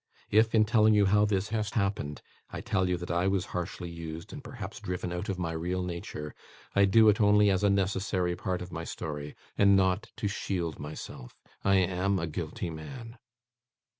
If, in telling you how this has happened, I tell you that I was harshly used, and perhaps driven out of my real nature, I do it only as a necessary part of my story, and not to shield myself. I am a guilty man.